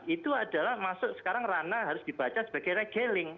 itu adalah masuk sekarang rana harus dibaca sebagai regeling